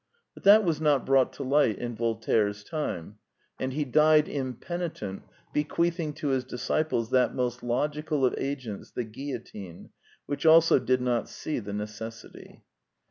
But that was not brought to light in Voltaire's time; and he died impenitent, bequeathing to his disciples that most logical of agents, the guillotine, which also '' did not see the necessity."